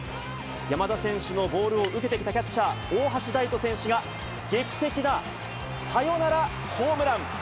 山田選手のボールを受けてきたキャッチャー、大橋大翔選手が劇的なサヨナラホームラン。